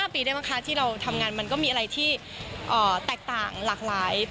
ปีได้มั้งคะที่เราทำงานมันก็มีอะไรที่แตกต่างหลากหลาย